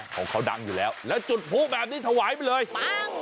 ของเขาดังอยู่แล้วแล้วจุดผู้แบบนี้ถวายไปเลยอ้าว